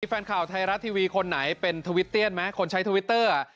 แฟนข่าวไทยรัฐทีวีคนไหนเป็นทวิตเตี้ยนไหมคนใช้ทวิตเตอร์